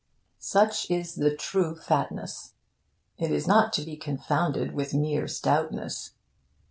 Such is the true fatness. It is not to be confounded with mere stoutness.